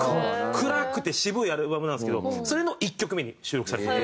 暗くて渋いアルバムなんですけどそれの１曲目に収録されてる。